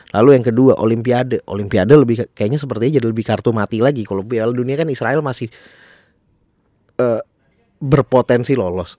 lalu yang kedua olimpiade olimpiade lebih kayaknya sepertinya jadi lebih kartu mati lagi kalau piala dunia kan israel masih berpotensi lolos